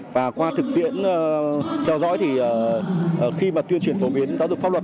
và qua thực tiễn theo dõi thì khi mà tuyên truyền phổ biến giáo dục pháp luật